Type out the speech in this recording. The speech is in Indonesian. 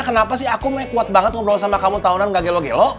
kenapa sih aku kuat banget ngobrol sama kamu tahunan gak gelo gelo